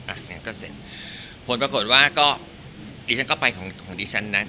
อ่ะงั้นก็เสร็จผลปรากฏว่าก็ดิฉันก็ไปของดิฉันนะ